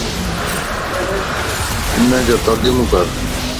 انَ جو ترجمو ڪَر